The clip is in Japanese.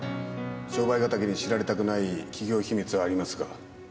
商売敵に知られたくない企業秘密はありますが。